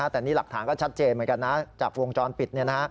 แต่นี่หลักฐานก็ชัดเจนเหมือนกันนะจากวงจรปิด